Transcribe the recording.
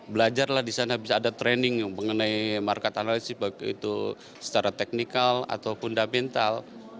belajarlah di sana bisa ada training mengenai market analisis baik itu secara teknikal atau fundamental